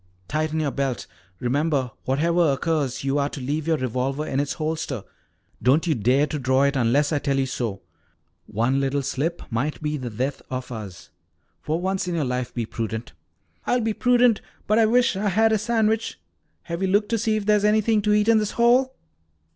"Tighten your belt. Remember, whatever occurs, you are to leave your revolver in its holster. Don't you dare to draw it unless I tell you to. One little slip might be the death of us. For once in your life be prudent." "I'll be prudent, but I wish I had a sandwich. Have you looked to see if there's anything to eat in this hole?"